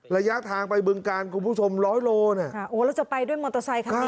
ระยะทางไปบึงกานคุณผู้ชมร้อยโลเนี่ยอ๋อเราจะไปด้วยมอเตอร์ไซคาเปลี่ยน